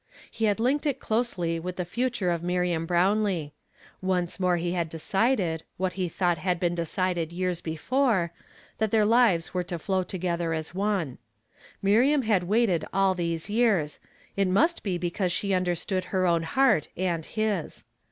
He had linked it closely with the future of Miriam Hrownlee. Once more he had decided, what he thought had been decided years before, that their lives were to flow together as one. Miriam had waited all these years; it must be because she undei stood her own heart and his.